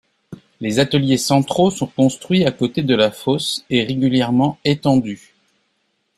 Les ateliers centraux sont construits à côté de la fosse, et régulièrement étendus.